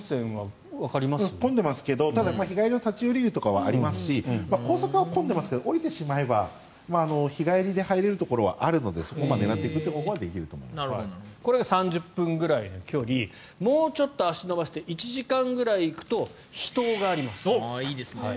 混んでますけど日帰りの立ち寄り湯とかありますし高速道路は混んでますけど降りてしまえば日帰りで入れるところはあるのでそこを狙っていくことはこれが３０分くらいの距離もうちょっと足を延ばして１時間ぐらい行くと秘湯があります。